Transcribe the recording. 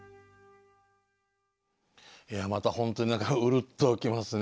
いやまた本当にうるっときますね。